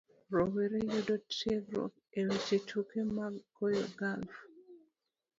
Rowere yudo tiegruok e weche tuke mag goyo golf